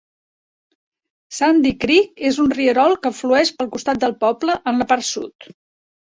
Sandy Creek és un rierol que flueix pel costat del poble, en la part sud.